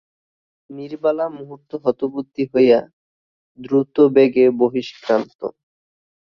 নীরবালা মুহূর্ত হতবুদ্ধি হইয়া, দ্রুতবেগে বহিষ্ক্রান্ত।